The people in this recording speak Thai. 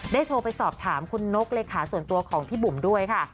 โทรไปสอบถามคุณนกเลขาส่วนตัวของพี่บุ๋มด้วยค่ะ